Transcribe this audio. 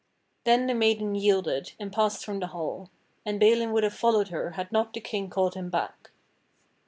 Then the maiden yielded and passed from the hall; and Balin would have followed her had not the King called him back.